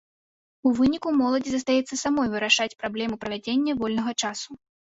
У выніку моладзі застаецца самой вырашаць праблему правядзення вольнага часу.